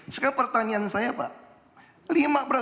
sekarang pertanyaan saya pak